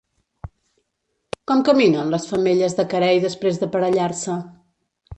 Com caminen les femelles de carei després d'aparellar-se?